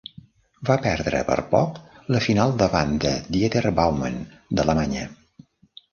Va perdre per poc la final davant de Dieter Baumann d'Alemanya.